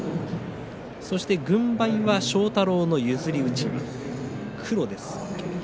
そして軍配は庄太郎の譲りうちわ、黒です。